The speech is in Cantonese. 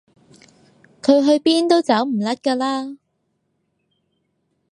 佢去邊都走唔甩㗎啦